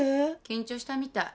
緊張したみたい。